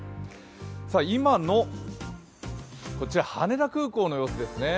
今の羽田空港の様子ですね。